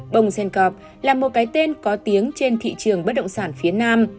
bông sen corp là một cái tên có tiếng trên thị trường bất động sản phía nam